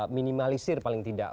minimalisir paling tidak